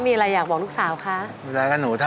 ที่อยู่กันวันนี้ก็เพราะลูกครับ